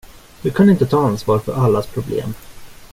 Du kan inte ta ansvar för allas problem.